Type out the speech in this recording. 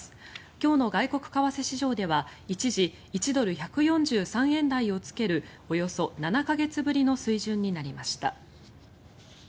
今日の外国為替市場では一時、１ドル＝１４３円台をつけるおよそ７か月ぶりの水準になりました。